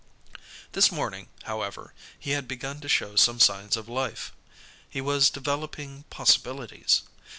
This morning, however, he had begun to show some signs of life. He was developing possibilities.